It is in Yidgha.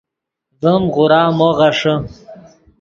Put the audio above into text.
ڤیم غورا مو غیݰے